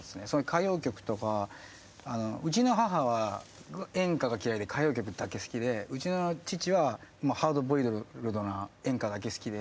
歌謡曲とかうちの母は演歌が嫌いで歌謡曲だけ好きでうちの父はハードボイルドな演歌だけ好きで。